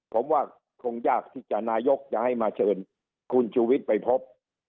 ผมว่าคงยากที่จะนายกจะให้มาเชิญคุณชูวิทย์ไปพบ